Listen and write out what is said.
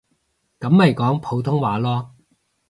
噉咪講普通話囉